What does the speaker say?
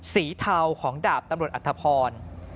สีเทาของดาบตำรวจอรรภพร